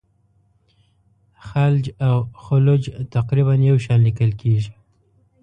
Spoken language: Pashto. خلج او خُلُّخ تقریبا یو شان لیکل کیږي.